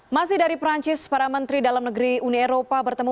masih dari perancis para menteri dalam negeri uni eropa bertemu